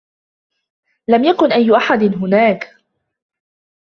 لم يكـن أي أحـد هنـــاك.